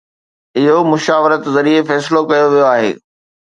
اهو مشاورت ذريعي فيصلو ڪيو ويو آهي.